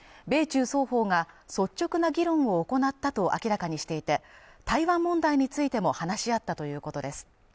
米中双方が率直な議論を行ったと明らかにしていて、台湾問題についても話し合ったということです